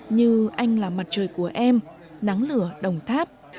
như anh là mặt trời của em nắng lửa đồng tháp